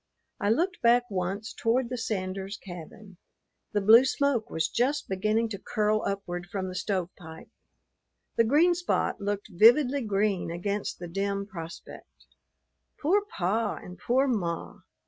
I looked back once toward the Sanders cabin. The blue smoke was just beginning to curl upward from the stove pipe. The green spot looked vividly green against the dim prospect. Poor pa and poor ma!